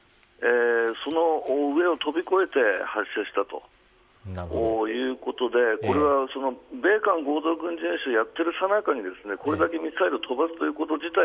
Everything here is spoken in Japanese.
その上を飛び越えて発射したということでこれは米韓合同軍事演習をやっているさなかにこれだけミサイルを飛ばすということ自体